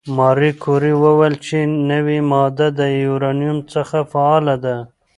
ماري کوري وویل چې نوې ماده د یورانیم څخه فعاله ده.